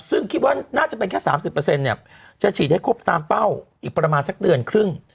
ซึ่งคิดว่าน่าจะเป็นแค่๓๐เนี่ยจะฉีดให้ครบตามเป้าอีกประมาณสักเดือนครึ่ง